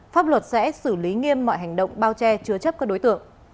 pháp luật sẽ xử lý nghiêm mọi hành động bao che chứa chấp các đối tượng